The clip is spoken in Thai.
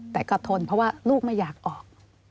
แต่ก็ทนเพราะว่าลูกไม่อยากออก